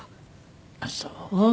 あっそう。